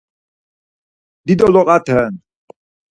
Dido loqat̆eren.